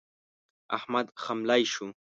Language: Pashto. احمد خملۍ شو.